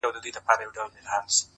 • همدا اوس وايم درته ـ